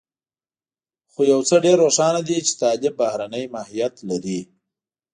خو يو څه ډېر روښانه دي چې طالب بهرنی ماهيت لري.